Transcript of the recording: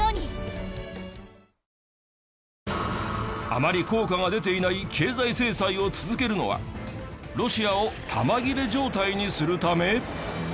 あまり効果が出ていない経済制裁を続けるのはロシアを弾切れ状態にするため！？